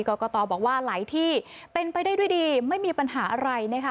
กรกตบอกว่าหลายที่เป็นไปได้ด้วยดีไม่มีปัญหาอะไรนะคะ